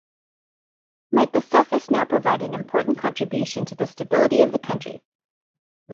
Might the Sufis now provide an important contribution to the stability of the country.